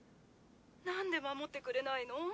なんで守ってくれないの？